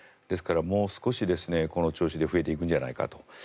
ですからもう少し、この調子で増えていくんじゃないかと。